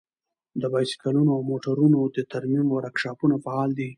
د بايسکلونو او موټرونو د ترمیم ورکشاپونه فعال دي.